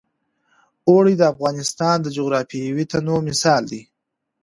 اوړي د افغانستان د جغرافیوي تنوع مثال دی.